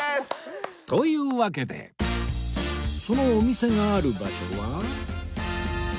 というわけでそのお店がある場所は